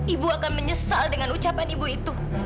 ibu akan menyesal dengan ucapan ibu itu